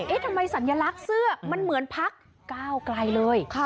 เอ๊ะทำไมสัญลักษณ์เสื้อมันเหมือนพรรคก้าวกลายเลย